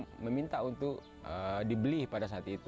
dan bahkan ada yang meminta untuk dibeli pada saat itu